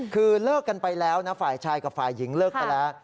คือเลิกกันไปแล้วนะฝ่ายชายกับฝ่ายหญิงเลิกไปแล้ว